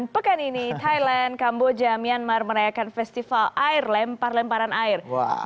pekan ini thailand kamboja myanmar merayakan festival air lempar lemparan air